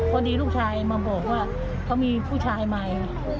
พอดีลูกชายมาบอกว่าเขามีผู้ชายใหม่